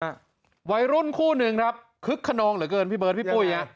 วัยรุ่นคู่หนึ่งครับคึกขนองเหลือเกินพี่เบิร์ดพี่ปุ้ยฮะ